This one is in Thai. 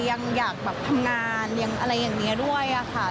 ยังอยากแบบทำงานยังอะไรอย่างนี้ด้วยค่ะ